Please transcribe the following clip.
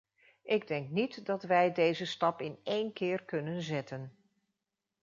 Ik denk niet dat wij deze stap in één keer kunnen zetten.